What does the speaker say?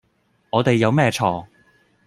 我哋有咩錯